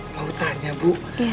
mau tanya bu